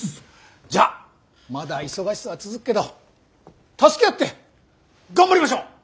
じゃあまだ忙しさは続くけど助け合って頑張りましょう！